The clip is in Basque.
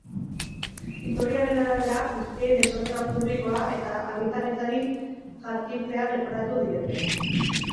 Iturriaren arabera, guztiei desordena publikoa eta agintaritzari jarkitzea leporatu diete.